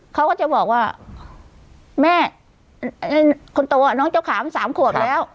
เขาก็จะบอกว่าแม่คนโตน้องเจ้าขาม๓ขวบแล้ว